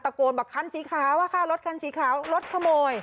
ตะโกนแบบคันชี้ขาวรถคันชี้ขาวรถขโมย